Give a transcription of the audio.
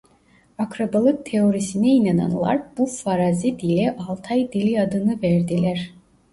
Akrabalık teorisine inananlar bu farazi dile Altay dili adını verdiler.